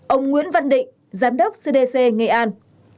ông nguyễn văn định giám đốc cdc nghệ an